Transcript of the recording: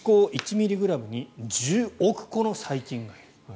歯垢１ｍｇに１０億個の細菌がいると。